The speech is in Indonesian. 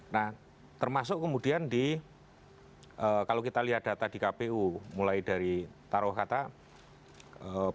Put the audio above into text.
nah termasuk kemudian di kalau kita lihat data di kpu mulai dari taruh kata pemilu sembilan puluh an